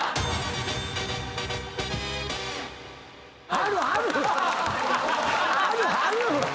あるある！